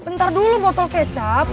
bentar dulu botol kecap